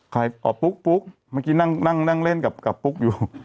ใครอ๋อปุ๊กเมื่อกี้นั่งเล่นกับปุ๊กอยู่